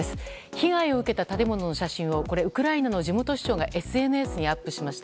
被害を受けた建物の写真をウクライナの地元市長がＳＮＳにアップしました。